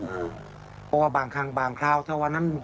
เพราะว่าบางครั้งบางคราวถ้าวันนั้น